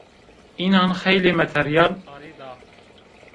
Înan xeylê materyal arê da.